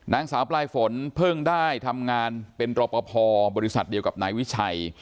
นางสาวปลายฝนเพิ่งได้ทำงานเป็นรอปภบริษัทเดียวกับนายวิชัย